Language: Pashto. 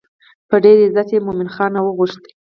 په ډېر عزت یې مومن خان راوغوښت.